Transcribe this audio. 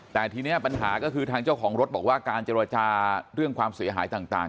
แต่ทีนี้ปัญหาก็คือทางเจ้าของรถบอกว่าการเจรจาเรื่องความเสียหายต่าง